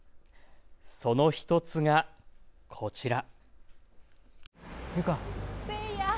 その１つが、こちら。